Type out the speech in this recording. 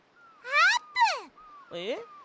えっ？